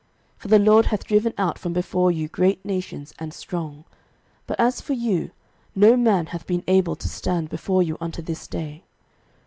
06:023:009 For the LORD hath driven out from before you great nations and strong: but as for you, no man hath been able to stand before you unto this day.